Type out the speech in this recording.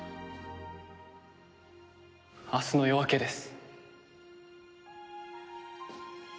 明日の夜明けです。